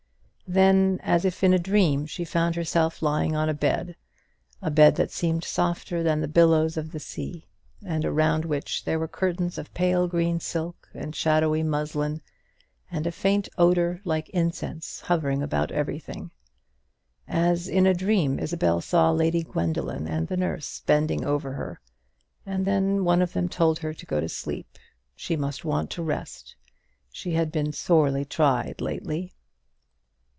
Then, as if in a dream, she found herself lying on a bed; a bed that seemed softer than the billows of the sea, and around which there were curtains of pale green silk and shadowy muslin, and a faint odour like incense hovering about everything. As in a dream, Isabel saw Lady Gwendoline and the nurse bending over her; and then one of them told her to go to sleep; she must want rest; she had been sorely tried lately.